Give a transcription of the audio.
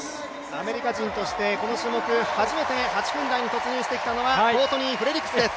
アメリカ人としてこの種目初めて８分台に突入してきたのはコートニー・フレリクスです。